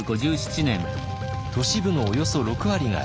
都市部のおよそ６割が焼失。